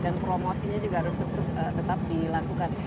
dan promosinya juga harus tetap dilakukan